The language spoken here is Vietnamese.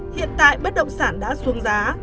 hiện tại bất động sản đã xuống giá